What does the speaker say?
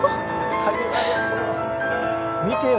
始まる。